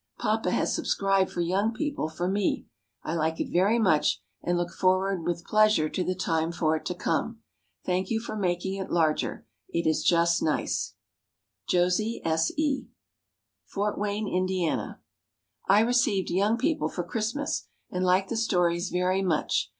Papa has subscribed for Young People for me. I like it very much, and look forward with pleasure to the time for it to come. Thank you for making it larger; it is just nice. JOSIE S. E. FORT WAYNE, INDIANA. I received Young People for Christmas, and like the stories very much.